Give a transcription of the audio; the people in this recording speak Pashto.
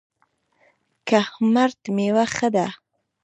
کهمرد میوه ښه ده؟